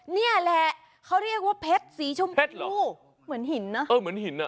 นี่แหละเขาเรียกว่าเพชรสีชมพูเหมือนหินนะเออเหมือนหินอ่ะ